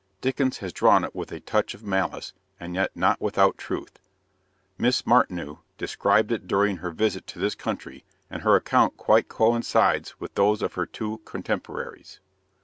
Dickens has drawn it with a touch of malice, and yet not without truth. Miss Martineau described it during her visit to this country, and her account quite coincides with those of her two contemporaries.